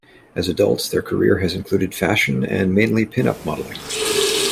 As adults, their career has included fashion and mainly pin-up modeling.